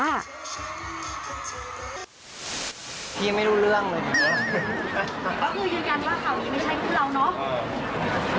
โดนจับตาอะไรหรอจับตาอะไรแหละ